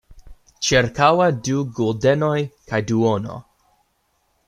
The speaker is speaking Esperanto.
Ĉirkaŭe du guldenoj kaj duono.